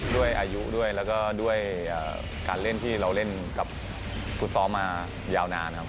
ด้วยอายุด้วยแล้วก็ด้วยการเล่นที่เราเล่นกับฟุตซอลมายาวนานครับ